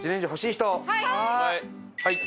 はい！